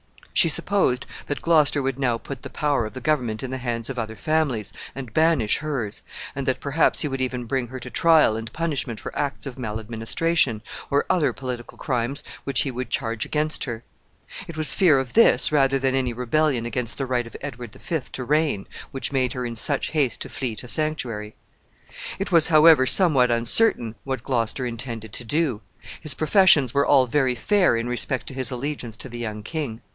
She supposed that Gloucester would now put the power of the government in the hands of other families, and banish hers, and that perhaps he would even bring her to trial and punishment for acts of maladministration, or other political crimes which he would charge against her. It was fear of this, rather than any rebellion against the right of Edward the Fifth to reign, which made her in such haste to flee to sanctuary. It was, however, somewhat uncertain what Gloucester intended to do. His professions were all very fair in respect to his allegiance to the young king.